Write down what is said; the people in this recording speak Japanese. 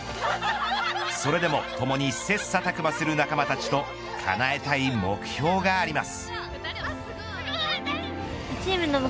それでも、共に切磋琢磨する仲間たちと叶えたい目標があります。